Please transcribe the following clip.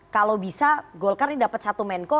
kalau bisa golkar ini dapat satu menko